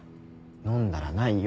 飲んだらないよ。